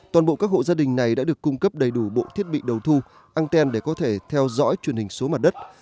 toàn bộ các hộ gia đình này đã được cung cấp đầy đủ bộ thiết bị đầu thu engen để có thể theo dõi truyền hình số mặt đất